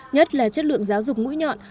nhất là chất lượng giáo dục mũi nhọn